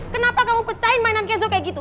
kenapa kamu pecahin mainan kezo kayak gitu